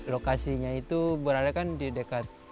lokasinya itu berada kan di dekat